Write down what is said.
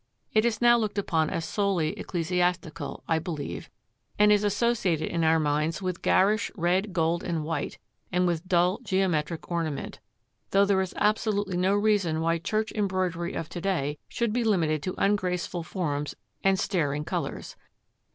It is now looked upon as solely ecclesiastical, I believe, and is associated in our minds with garish red, gold and white, and with dull geometric ornament, though there is absolutely no reason why church embroidery of to day should be limited to ungraceful forms and staring colours.